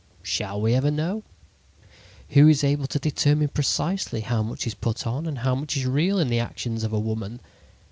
Shall we ever know? Who is able to determine precisely how much is put on and how much is real in the actions of a woman?